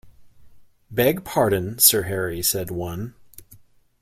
“Beg pardon, Sir Harry,” said one.